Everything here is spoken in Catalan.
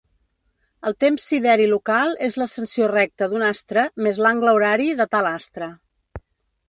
El temps sideri local és l'ascensió recta d'un astre més l'angle horari de tal astre.